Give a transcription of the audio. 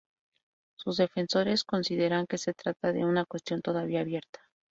Sus defensores consideran que se trata de "una cuestión todavía abierta".